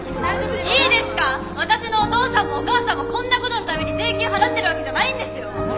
私のお父さんもお母さんもこんなことのために税金払ってるわけじゃないんですよ！